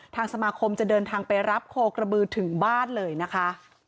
ทางสมาคมจะเดินทางไปรับโคกระบือถึงบ้านเลยนะคะ